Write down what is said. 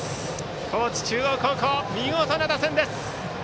高知中央高校、見事な打線です。